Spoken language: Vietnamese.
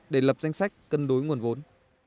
để lập danh sách cân đối nguồn vốn